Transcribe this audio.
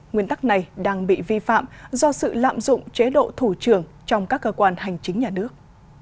nguyên tắc này đang bị vi phạm do sự lạm dụng chế độ thủ trưởng trong các cơ quan hành chính nhà nước